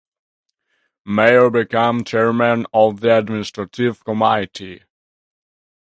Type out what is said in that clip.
Mayor became chairman of the administrative committee.